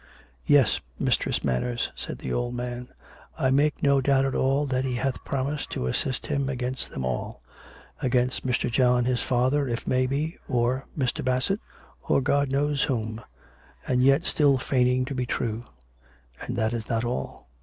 " Yes, Mistress Manners," said the old man. " I make no doubt at all that he hath promised to assist him against them all — against Mr. John his father, it may be, or Mr. Bassett, or God knows whom ! And yet still feigning to be true ! And that is not all."